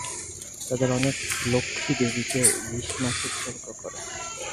তাদের অনেকে লক্ষ্মী দেবীকে ইলিশ মাছ উৎসর্গ করেন।